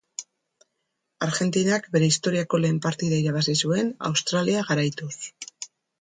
Argentinak bere historiako lehen partida irabazi zuen, Australia garaituz.